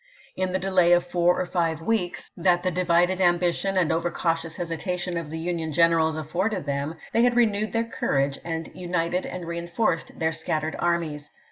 In the delay of four or five weeks that the THE SHILOH CAMPAIGN 321 divided ambition and over cautious hesitation of ch. xviii. the Union generals afforded them, they had re newed their courage, and united and reenforced their scattered armies.